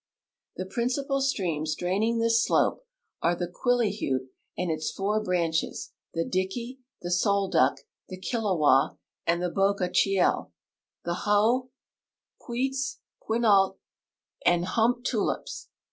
The principal streams draining this slope are the Quillyhute and its four branches, the Dickey, the Solduck, the Killawah, and the Bogachiel ; the Hoh, Quects, Quinault, and Humptulips.